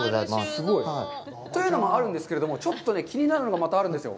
すごい。というのもあるんですけれども、ちょっとね、気になるのがまたあるんですよ。